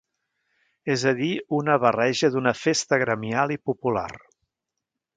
És a dir, una barreja d'una festa gremial i popular.